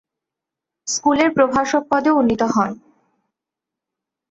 স্কুলের প্রভাষক পদেও উন্নীত হন।